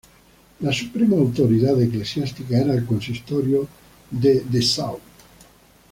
La suprema autoridad eclesiástica era el consistorio en Dessau.